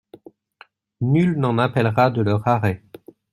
Nul n’en appellera de leur arrêt.